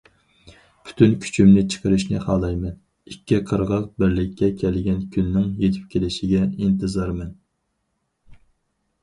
پۈتۈن كۈچۈمنى چىقىرىشنى خالايمەن، ئىككى قىرغاق بىرلىككە كەلگەن كۈننىڭ يېتىپ كېلىشىگە ئىنتىزارمەن.